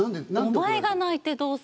「お前が泣いてどうすんだ？